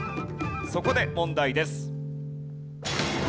そこで問題です。